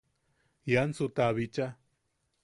Iansu ta bicha.